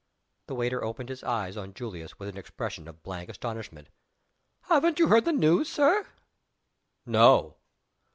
The wait er opened his eyes on Julius with an expression of blank astonishment. "Haven't you heard the news, Sir?" "No!"